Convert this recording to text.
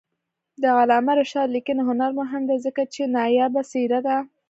د علامه رشاد لیکنی هنر مهم دی ځکه چې نایابه څېره ده.